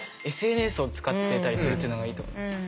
ＳＮＳを使ってたりするっていうのがいいと思いました。